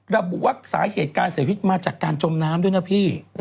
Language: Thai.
ระบุว่าสาเหตุการเสียชีวิตมาจากการจมน้ำด้วยนะพี่